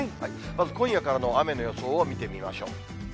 まず今夜からの雨の予想を見てみましょう。